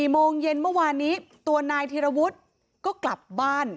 โมงเย็นเมื่อวานนี้ตัวนายธิรวุฒิก็กลับบ้าน